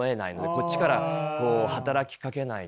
こっちからこう働きかけないと。